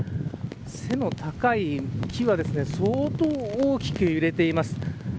背の高い木が相当大きく揺れています。